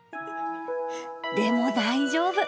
でも大丈夫。